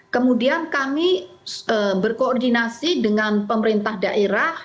kemudian kami berkoordinasi dengan pemerintah daerah